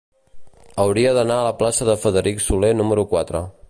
Hauria d'anar a la plaça de Frederic Soler número quatre.